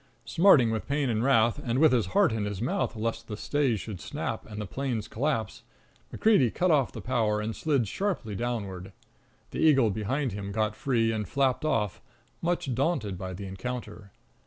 Smarting with pain and wrath, and with his heart in his mouth lest the stays should snap and the planes collapse, MacCreedy cut off the power and slid sharply downward. The eagle behind him got free, and flapped off, much daunted by the encounter.